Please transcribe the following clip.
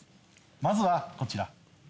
まずはこちら。